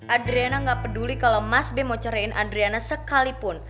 adriana gak peduli kalo mas be mau cerain adriana sekalipun